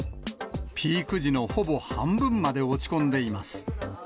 ピーク時のほぼ半分まで落ち込んでいます。